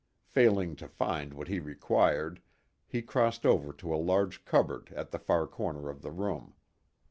Failing to find what he required, he crossed over to a large cupboard at the far corner of the room.